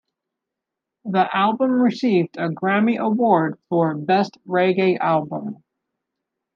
The album received a Grammy award for "Best Reggae Album".